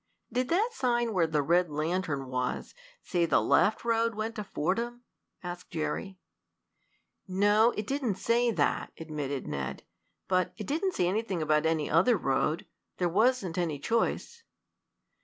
"Did that sign where the red lantern was say the left road went to Fordham?" asked Jerry. "No, it didn't say that," admitted Ned. "But it didn't say anything about any other road. There wasn't any choice."